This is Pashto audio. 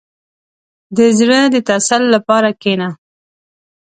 • د زړه د تسل لپاره کښېنه.